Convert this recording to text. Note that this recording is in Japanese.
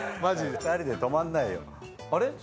２人で泊まんないよ。